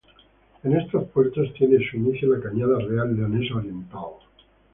En estos puertos tiene su inicio la Cañada Real Leonesa Oriental.